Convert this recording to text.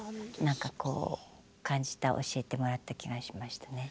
何かこう感じた教えてもらった気がしましたね。